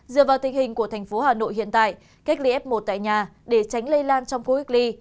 dựa vào tình hình của thành phố hà nội hiện tại cách ly f một tại nhà để tránh lây lan trong khu cách ly